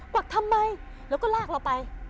วักทำไมแล้วก็ลากเราไป